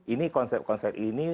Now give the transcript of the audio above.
ini konsep konsep ini